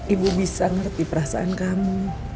ibu bisa ngerti perasaan kamu